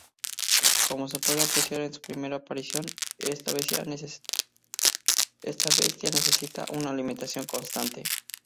Como se puede apreciar en su primera aparición, esta bestia necesita una alimentación constante.